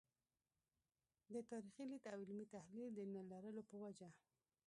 د تاریخي لید او علمي تحلیل د نه لرلو په وجه.